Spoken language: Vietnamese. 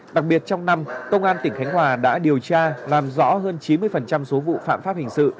đặc biệt trong năm công an tỉnh khánh hòa đã điều tra làm rõ hơn chín mươi số vụ phạm pháp hình sự